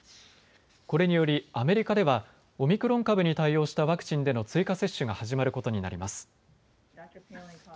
これによりアメリカではオミクロン株に対応したワクチンでの追加接種が始まることになります。